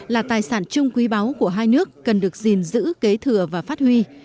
là tài sản chung quý báu của hai nước cần được gìn giữ kế thừa và phát huy